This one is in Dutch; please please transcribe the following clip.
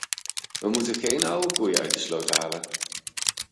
We moeten geen oude koeien uit de sloot halen.